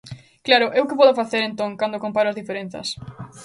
Claro, ¿eu que podo facer, entón, cando comparo as diferenzas?